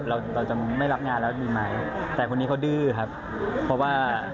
เราเราจะไม่รับงานแล้วดีไหมแต่คนนี้เขาดื้อครับเพราะว่า